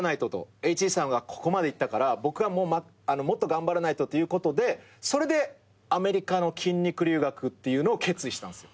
ＨＧさんがここまでいったから僕はもっと頑張らないとということでそれでアメリカの筋肉留学っていうのを決意したんすよ。